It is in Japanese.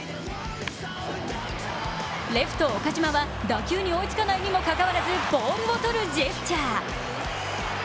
レフト・岡島は打球に追いつかずにもかかわらず、ボールを取るジェスチャー。